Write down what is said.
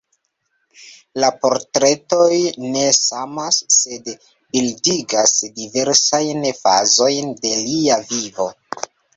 La portretoj ne samas, sed bildigas diversajn fazojn de lia vivo.